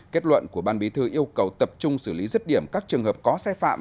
kết luận của ban bí thư yêu cầu tập trung xử lý rứt điểm các trường hợp có xe phạm